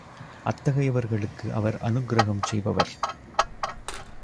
அத்தகையவர்களுக்கு அவர் அநுக்கிரகம் செய்பவர்.